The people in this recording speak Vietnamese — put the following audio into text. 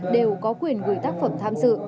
đều có quyền gửi tác phẩm tham dự